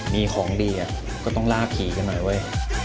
มีของดีก็ต้องล่าผีกันหน่อยเว้ย